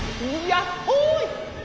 やっほい！